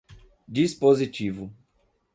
dispositivo